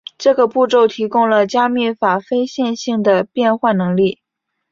这个步骤提供了加密法非线性的变换能力。